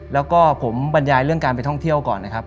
แล้วก็ผมบรรยายเรื่องการไปท่องเที่ยวก่อนนะครับ